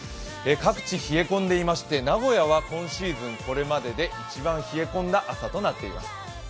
各地冷え込んでおりまして、名古屋は今シーズンこれまでで一番冷え込んだ朝となっています。